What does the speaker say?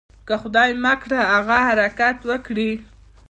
که خدای مه کړه هغه حرکت وکړي.